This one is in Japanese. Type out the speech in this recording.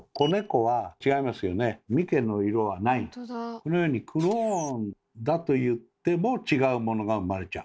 このようにクローンだといっても違うものが生まれちゃう。